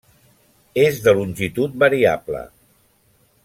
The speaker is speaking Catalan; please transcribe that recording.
És de longitud variable.